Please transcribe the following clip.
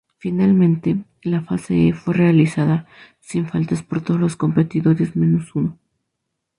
Finalmente, la fase E fue realizada sin faltas por todos los competidores menos uno.